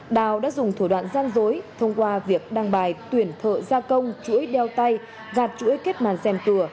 đào đã dùng thủ đoạn gian dối thông qua việc đăng bài tuyển thợ gia công chuỗi đeo tay gạt chuỗi kết màn dèm cửa